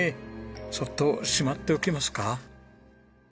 そっとしまっておきますか。